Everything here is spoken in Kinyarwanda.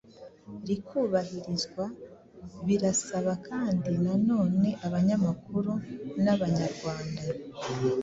rikubahirizwa. Birasaba kandi nanone abanyamakuru n’Abanyarwanda